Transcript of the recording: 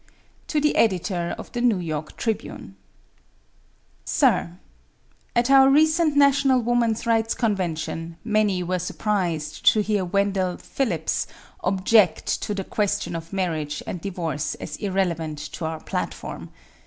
"To the Editor of the New York Tribune: "Sir: At our recent National Woman's Rights Convention many were surprised to hear Wendell Phillips object to the question of marriage and divorce as irrelevant to our platform.